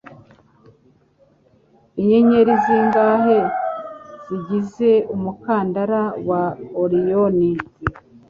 Inyenyeri zingahe zigize umukandara wa Orion?